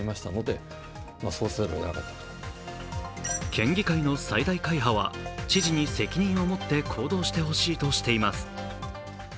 県議会の最大会派は知事に責任を持って行動してほしいとしています。